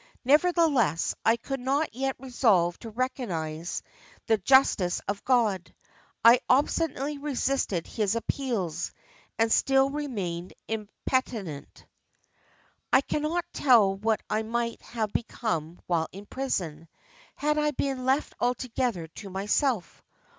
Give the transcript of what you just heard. Nevertheless, I could not yet resolve to recognise the justice of God. I obstinately resisted His appeals, and still remained impenitent. "I cannot tell what I might have become while in prison, had I been left altogether to myself.